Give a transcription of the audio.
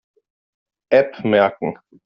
App merken.